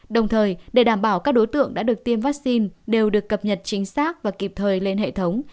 đồng thời để đảm bảo các đối tượng đã được tiêm vaccine đều được cập nhật chính xác và kịp thời lên hệ thống